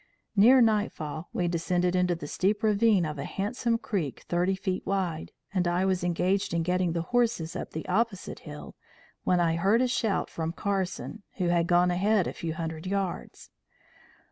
"Near night fall we descended into the steep ravine of a handsome creek thirty feet wide, and I was engaged in getting the horses up the opposite hill, when I heard a shout from Carson, who had gone ahead a few hundred yards.